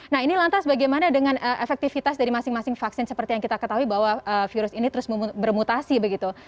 nah ini lantas bagaimana dengan efektivitas dari masing masing vaksin seperti yang kita ketahui bahwa virus ini terus bermutasi begitu